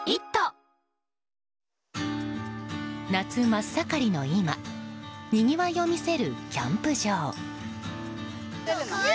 夏真っ盛りの今にぎわいを見せるキャンプ場。